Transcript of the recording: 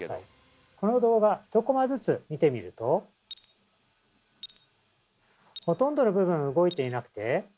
この動画１コマずつ見てみるとほとんどの部分動いていなくて岡村さんの手とか